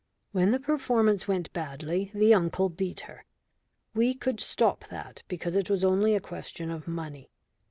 When the performance went badly, the uncle beat her. We could stop that because it was only a question of money.